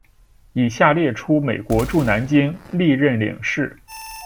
以下列出美国驻南京历任领事。